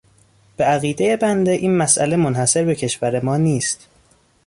به عقیده بنده این مسئله منحصر به کشور ما نیست.